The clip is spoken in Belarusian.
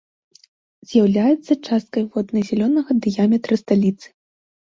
З'яўляецца часткай водна-зялёнага дыяметра сталіцы.